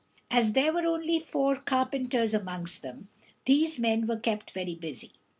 As there were only four carpenters among them, these men were kept very busy.